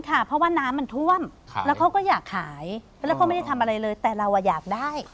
เขาไม่ได้ทำอะไรเลยแต่เราอ่ะอยากได้